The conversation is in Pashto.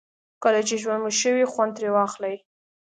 کله چې ژوند مو ښه وي خوند ترې واخلئ.